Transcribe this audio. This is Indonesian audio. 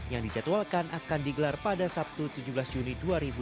yang dijadwalkan akan digelar pada sabtu tujuh belas juni dua ribu dua puluh